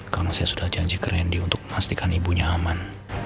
karena saya sudah janji ke randy untuk pastikan ibunya aman